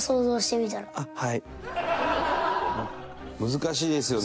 難しいですよね。